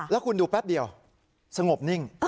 แล้วคุณดูแป๊บเดียวสงบนิ่ง